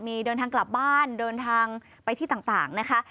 มีเดินทางกลับบ้านเดินทางไปที่ต่างนะคะ